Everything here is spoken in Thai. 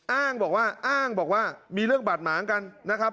อ้างบอกว่าอ้างบอกว่ามีเรื่องบาดหมางกันนะครับ